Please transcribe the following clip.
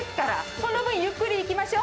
その分、ゆっくりいきましょう。